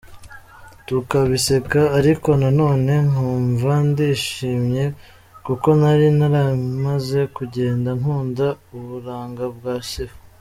Tukabiseka ariko nanone nkumva ndishimye kuko nari naramaze kugenda nkunda uburanga bwa Sifa.